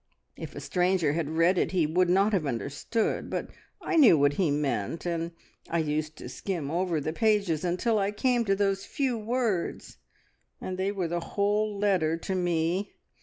If a stranger had read it, he would not have understood, but I knew what he meant, and I used to skim over the pages until I came to those few words, and they were the whole letter to me.